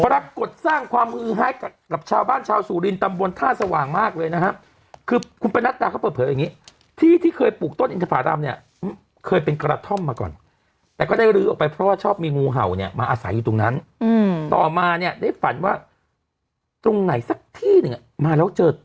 ปรากฏสร้างความอื้อหายกับชาวบ้านชาวสูรินทร์ตำบลท่าสว่างมากเลยนะครับคือคุณประณัติกาเขาเปิดเผยอย่างนี้